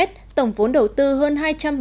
tổng vốn đầu tư hơn hai trăm linh